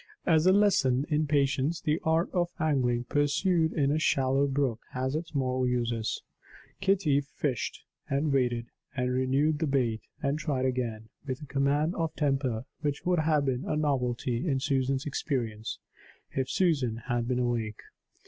As a lesson in patience, the art of angling pursued in a shallow brook has its moral uses. Kitty fished, and waited, and renewed the bait and tried again, with a command of temper which would have been a novelty in Susan's experience, if Susan had been awake.